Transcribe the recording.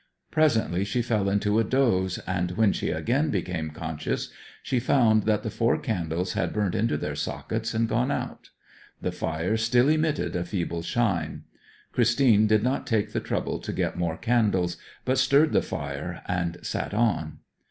Presently she fell into a doze, and when she again became conscious she found that the four candles had burnt into their sockets and gone out. The fire still emitted a feeble shine. Christine did not take the trouble to get more candles, but stirred the fire and sat on.